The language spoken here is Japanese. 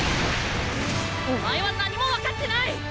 お前は何も分かってない！